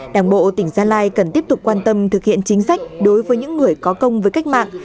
đảng bộ tỉnh gia lai cần tiếp tục quan tâm thực hiện chính sách đối với những người có công với cách mạng